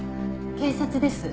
警察です。